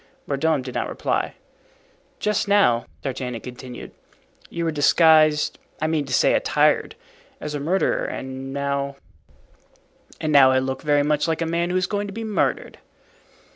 Mordaunt did not reply. "Just now," D'Artagnan continued, "you were disguised—I mean to say, attired—as a murderer, and now——" "And now I look very much like a man who is going to be murdered."